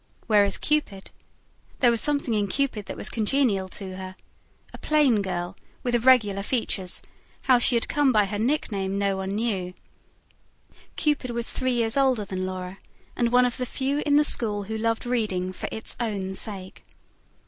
Whereas Cupid there was something in Cupid that was congenial to her. A plain girl, with irregular features how she had come by her nickname no one knew Cupid was three years older than Laura, and one of the few in the school who loved reading for its own sake.